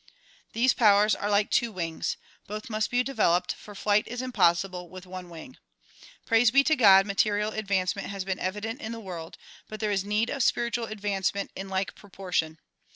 These powere are like two wings. Both must be developed, for flight is impossible with one wing. Praise be to God ! material advancement has been evident in the world but there is need of spiritual advance ment in like proportion.